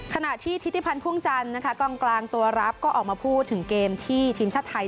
ขณะที่ทิศิพันธ์พ่วงจันทร์นะคะกองกลางตัวรับก็ออกมาพูดถึงเกมที่ทีมชาติไทย